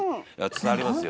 伝わりますよ」